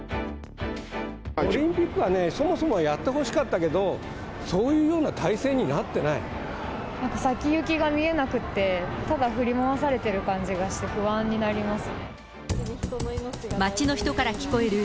オリンピックはね、そもそもやってほしかったけど、先行きが見えなくて、ただ振り回されてる感じがして、不安になります。